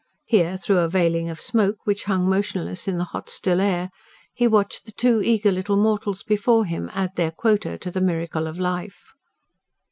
Here, through a veiling of smoke, which hung motionless in the hot, still air, he watched the two eager little mortals before him add their quota to the miracle of life.